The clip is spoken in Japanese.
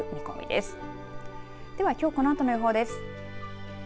ではきょう、このあとの予報です。